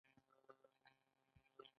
حشرات شپږ پښې لري